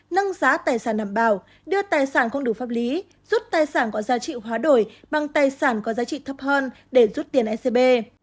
nâng giá tài sản đảm bảo đưa tài sản không đủ pháp lý rút tài sản có giá trị hóa đổi bằng tài sản có giá trị thấp hơn để rút tiền ecb